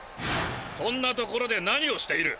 そんな所で何をしている？